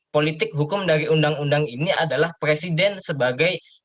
politik hukum dari undang undang ini adalah presiden sebagai